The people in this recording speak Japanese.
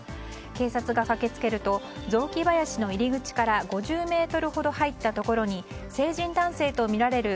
警察が駆けつけると雑木林の入り口から５０ｍほど入ったところに成人男性とみられる